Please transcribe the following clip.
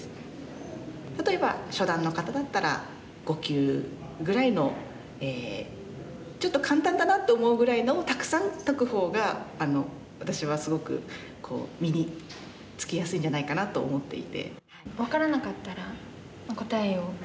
例えば初段の方だったら５級ぐらいのちょっと簡単だなと思うぐらいのをたくさん解く方が私はすごく身につきやすいんじゃないかなと思っていて。